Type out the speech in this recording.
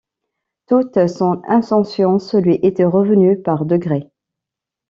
Toute son insouciance lui était revenue par degrés.